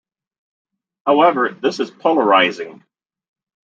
However, this is polarising.